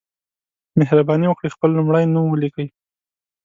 مهرباني وکړئ خپل لمړی نوم ولیکئ